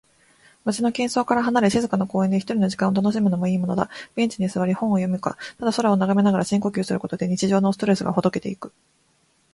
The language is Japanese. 街の喧騒から離れ、静かな公園で一人の時間を楽しむのもいいものだ。ベンチに座り、本を読むか、ただ空を眺めながら深呼吸することで、日常のストレスがほどけていく。